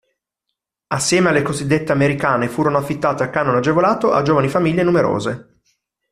Assieme alle cosiddette "americane" furono affittate a canone agevolato a giovani famiglie numerose.